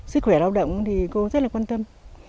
sức khỏe lao động thì cô rất là quan tâm